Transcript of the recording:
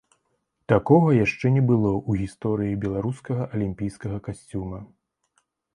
Такога яшчэ не было ў гісторыі беларускага алімпійскага касцюма.